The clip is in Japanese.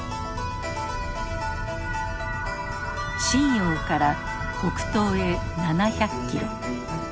瀋陽から北東へ７００キロ。